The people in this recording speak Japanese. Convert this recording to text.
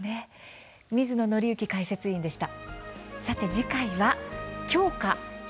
水野倫之解説委員でした。